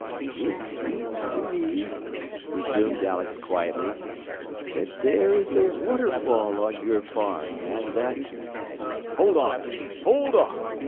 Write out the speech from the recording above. "It seems to me," resumed Alex quietly, "that there is a waterfall on your farm, and that " "Hold on there! Hold on!"